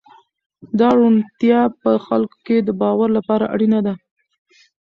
دا روڼتیا په خلکو کې د باور لپاره اړینه ده.